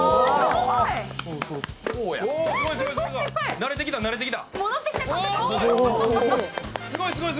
慣れてきた、慣れてきた。